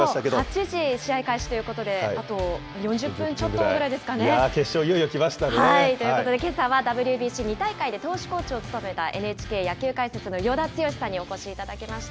８時試合開始ということで、あと４０分ちょっとぐらいですか決勝、いよいよ来ましたね。ということでけさはＷＢＣ２大会で投手コーチを務めた、ＮＨＫ野球解説の与田剛さんにお越しいただきました。